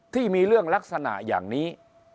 ที่มีเรื่องลักษณะอย่างนี้